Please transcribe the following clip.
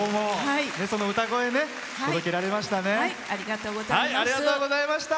その歌声届けられましたね。